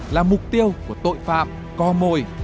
là mục tiêu của tội phạm co môi